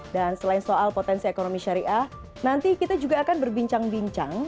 dan selain soal potensi ekonomi syariah nanti kita juga akan berbincang bincang